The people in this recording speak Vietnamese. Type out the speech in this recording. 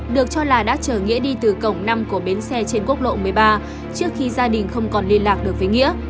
được cho là đã chở nghĩa đi từ cổng năm của bến xe trên quốc lộ một mươi ba trước khi gia đình không còn liên lạc được với nghĩa